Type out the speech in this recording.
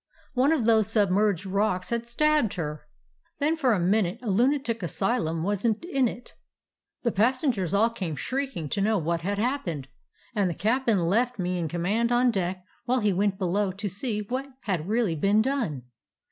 One of those submerged rocks had stabbed her. "Then for a minute a lunatic asylum was n't in it. The passengers all came shrieking to know what had happened, and the cap'n left me in command on deck while he went below to see what had really been done.